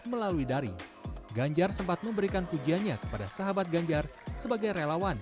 melalui daring ganjar sempat memberikan pujiannya kepada sahabat ganjar sebagai relawan